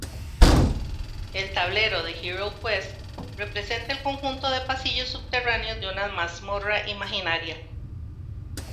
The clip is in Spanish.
El tablero de "HeroQuest" representa el conjunto de pasillos subterráneos de una mazmorra imaginaria.